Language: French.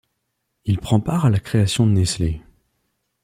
Il prend part à la création de Nestlé.